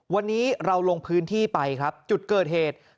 วันนี้เราลงพื้นที่ไปครับจุดเกิดเหตุ